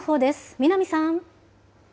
南さん。